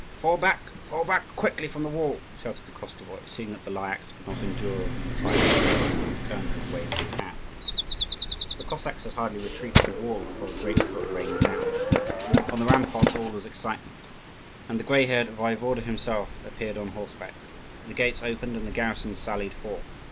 "Fall back, fall back quickly from the wall!" shouted the Koschevoi, seeing that the Lyakhs could not endure these biting words, and that the colonel was waving his hand. The Cossacks had hardly retreated from the wall before the grape shot rained down. On the ramparts all was excitement, and the grey haired Waiwode himself appeared on horseback. The gates opened and the garrison sallied forth.